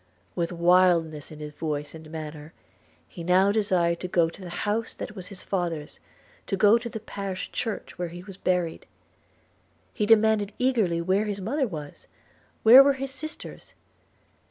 With wildness in his voice and manner, he now desired to go to the house that was his father's, to go to the parish church where he was buried. He demanded eagerly where his mother was? where were his sisters?